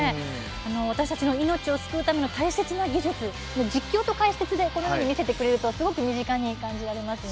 私たちの命を救うための大切な技術実況と解説で見せてくれると身近に感じられますね。